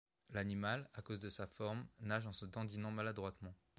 L'animal - à cause de sa forme - nage en se dandinant maladroitement.